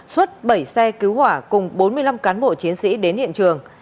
xuất bảy xe cứu hỏa cùng bốn mươi năm cán bộ chiến sĩ đến hiện trường